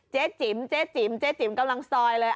เจ๊จิ๋มเจ๊จิ๋มกำลังซอยเลย